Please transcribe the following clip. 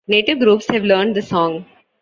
Native groups have learned the song.